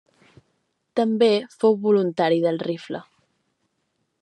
També fou voluntari del rifle.